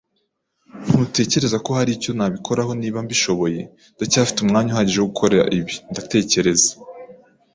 Ntutekereza ko hari icyo nabikoraho niba mbishoboye? Ndacyafite umwanya uhagije wo gukora ibi, ndatekereza.